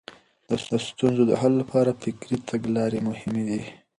د ستونزو د حل لپاره فکري تګلارې مهمې دي.